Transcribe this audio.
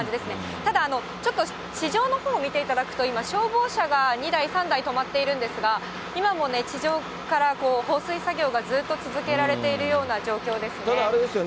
ただ、ちょっと地上のほう見ていただくと、今、消防車が２台、３台止まっているんですが、今も地上から放水作業がずっと続けられているような状況ですね。